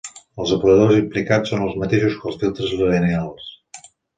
Els operadors implicats són els mateixos que els filtres lineals.